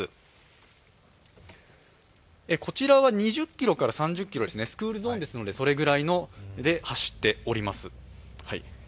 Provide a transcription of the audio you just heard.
こちらは２０キロから３０キロですね、スクールゾーンですからそれぐらいで走っております。